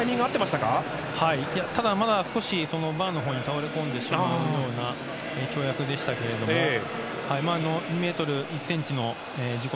ただ、まだ少しバーのほうに倒れ込んでしまうような跳躍でしたけれども２ｍ１ｃｍの自己